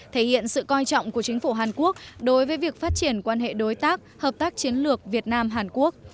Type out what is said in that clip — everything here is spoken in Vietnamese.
thể hiện sự coi trọng của chính phủ hàn quốc đối với việc phát triển quan hệ đối tác hợp tác chiến lược việt nam hàn quốc